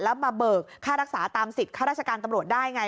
แล้วมาเบิกค่ารักษาตามสิทธิ์ข้าราชการตำรวจได้ไง